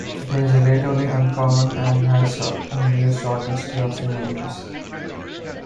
It is relatively uncommon and has only a short history of human use.